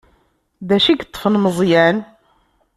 D acu i yeṭṭfen Meẓyan?